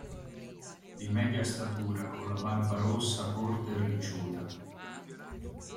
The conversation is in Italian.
Di media statura, con la barba rossa, corta e ricciuta.